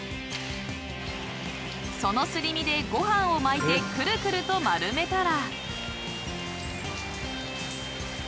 ［そのすり身でご飯を巻いてくるくると丸めたら］